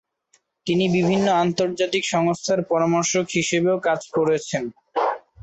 তিনি বিভিন্ন আন্তর্জাতিক সংস্থার পরামর্শক হিসাবেও কাজ করেছেন।